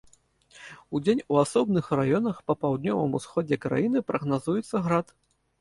Удзень у асобных раёнах па паўднёвым усходзе краіны прагназуецца град.